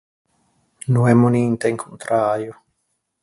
No emmo ninte in conträio.